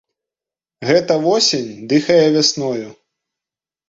Гэта восень дыхае вясною.